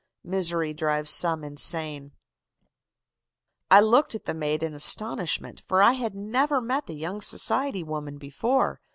MISERY DRIVES SOME INSANE. "I looked at the maid in astonishment, for I had never met the young society woman before.